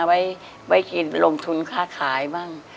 ไว้กินลงทุนค่าขายบ้าง